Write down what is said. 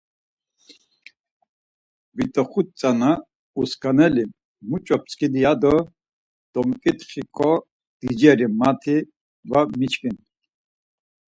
Vitoxut tzana uskaneli muç̌o pskidi yado domik̆itxik̆o diceri manti va miçkin.